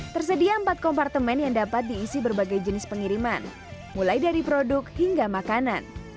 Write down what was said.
tersedia empat kompartemen yang dapat diisi berbagai jenis pengiriman mulai dari produk hingga makanan